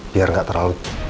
biar nggak terlalu